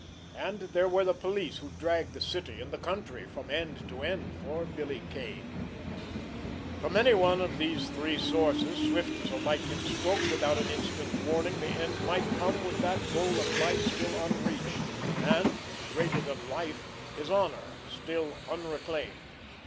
And there were the police who dragged the city and the country from end to end for Billy Kane. From anyone of these three sources, swift as a lightning stroke, without an instant's warning, the end might come with that goal of life still unreached, and, greater than life, his honor, still unreclaimed.